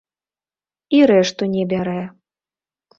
І рэшту не бярэ.